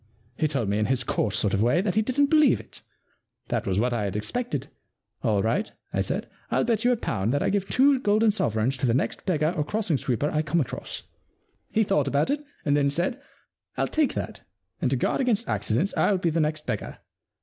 He told me in his coarse sort of way that he didn*t believe it. That was what I had expected. All right,'* I said, ril bet you a pound that I give two golden sovereigns to the next beggar or crossing sweeper I come across.*' He thought about it and then said :Fll take that, and to guard against accidents Fll be the next beggar.